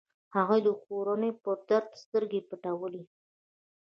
هغوی د کورنيو پر درد سترګې پټولې.